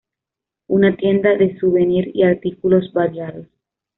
Una tienda de souvenirs y artículos variados.